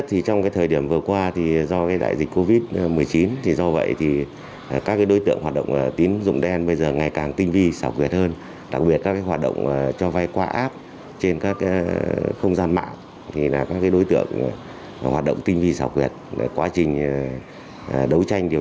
hãy đăng ký kênh để ủng hộ kênh của mình nhé